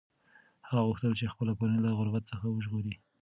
هغه غوښتل چې خپله کورنۍ له غربت څخه وژغوري.